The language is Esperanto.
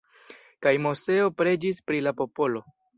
Kaj Moseo preĝis pri la popolo.